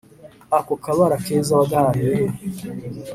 ako kabara keza wagahahiye he?»